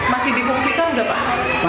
masih dipungsikan enggak pak